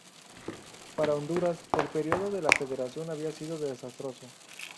Para Honduras, el período de la federación había sido desastroso.